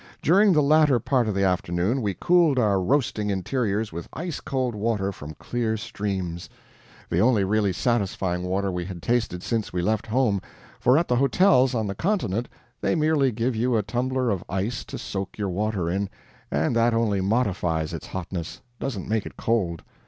During the latter part of the afternoon we cooled our roasting interiors with ice cold water from clear streams, the only really satisfying water we had tasted since we left home, for at the hotels on the continent they merely give you a tumbler of ice to soak your water in, and that only modifies its hotness, doesn't make it cold.